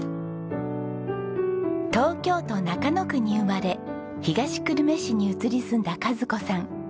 東京都中野区に生まれ東久留米市に移り住んだ和子さん。